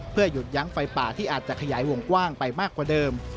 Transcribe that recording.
เพื่อหยุดยั้งไฟป่าที่อาจจะขยายวงกว้างไปมากกว่าเดิม